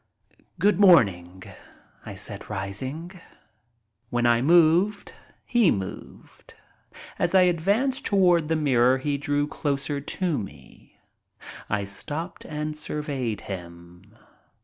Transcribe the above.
"Good morning," I said, rising. When I moved, he moved. As I advanced toward the mirror he drew closer to me. I stopped and surveyed him.